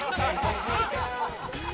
ハハハ！